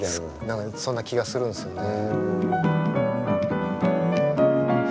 何かそんな気がするんですよね。